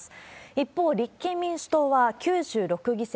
一方、立憲民主党は９６議席。